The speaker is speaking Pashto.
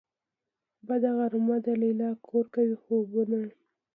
بده غرمه ده ليلا کور کوي خوبونه